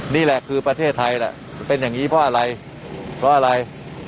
นี่แหละคือประเทศไทยแหละเป็นอย่างนี้เพราะอะไรเพราะอะไร